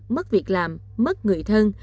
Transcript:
mất việc làm mất người thân